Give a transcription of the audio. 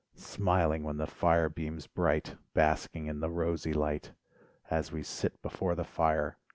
Smiling when the fire beams bright, Basking in the rosy light, As we sit before the fire.